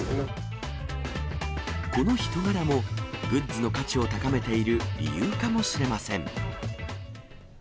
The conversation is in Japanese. この人柄も、グッズの価値を高めている理由かもしれません。